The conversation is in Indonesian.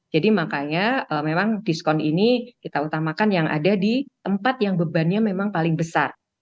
jadi makanya memang diskon ini kita utamakan yang ada di tempat yang bebannya memang paling besar